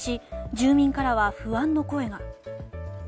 住民からは不安の声が。